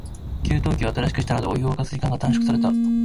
給湯器を新しくしたので、お風呂を沸かす時間が短縮された。